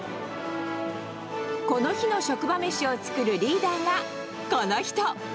この日の職場めしを作るリーダーがこの人。